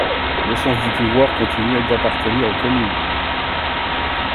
L’essence du pouvoir continue d’appartenir aux communes.